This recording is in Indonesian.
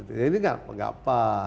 ini tidak apa apa